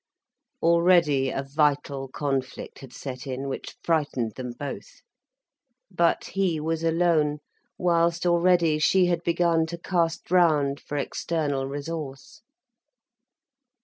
Already a vital conflict had set in, which frightened them both. But he was alone, whilst already she had begun to cast round for external resource.